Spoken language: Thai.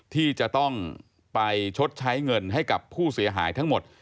ที่จะต้องไปชดใช้เงินให้กับผู้เสียหายทั้งหมด